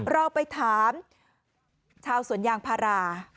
เราไปถามชาวสวนยางพารา